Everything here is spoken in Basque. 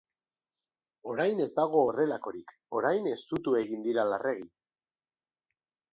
Orain ez dago horrelakorik, orain estutu egin dira larregi.